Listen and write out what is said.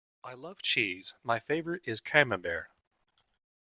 I love cheese; my favourite is camembert.